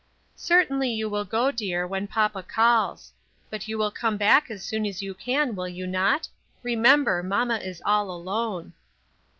" Certainly you will go, dear, when papa calls ; but you will come back as soon as you can, will you not ? Remember mamma is all alone."